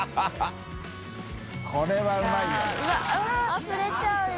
あふれちゃうよ。